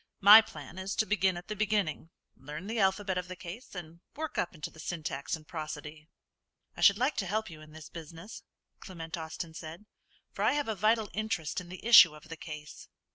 My plan is to begin at the beginning; learn the alphabet of the case, and work up into the syntax and prosody." "I should like to help you in this business," Clement Austin said, "for I have a vital interest in the issue of the case."